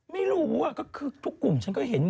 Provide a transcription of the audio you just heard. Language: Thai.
ไม่รู้ก็คือทุกกลุ่มฉันก็เห็น